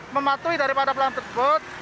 mematuhi daripada pelanggar tersebut